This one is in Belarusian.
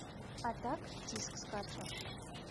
А так, ціск скача.